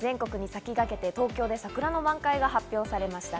先週水曜日、全国に先駆けて東京で桜の満開が発表されました。